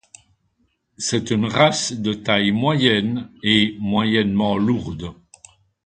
C'est une race de taille moyenne et moyennement lourde.